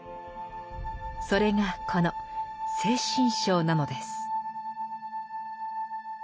それがこの「精神章」なのです。